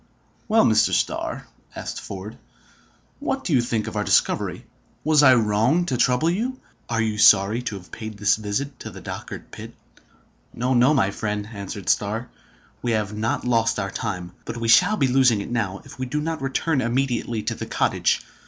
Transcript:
"Well, Mr. Starr," asked Ford, "what do you think of our discovery? Was I wrong to trouble you? Are you sorry to have paid this visit to the Dochart pit?" "No, no, my old friend!" answered Starr. "We have not lost our time; but we shall be losing it now, if we do not return immediately to the cottage.